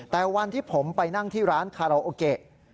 แต่วันที่ผมไปนั่งที่ร้านคาราโอเกะ